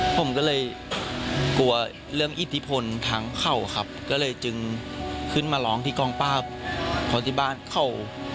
ผมก็เลยกลัวเรื่องอิทธิพลทั้งเขาครับก็เลยจึงขึ้นมาร้องที่กองปราบเพราะที่บ้านเขา